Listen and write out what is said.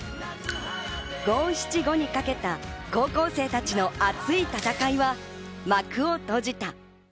五・七・五にかけた高校生たちの熱い戦いは幕を閉じた。